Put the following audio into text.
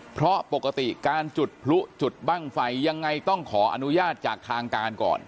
เพราะปกติการจุดพลุจุดบ้างไฟยังไงต้องขออนุญาตจากทางการก่อน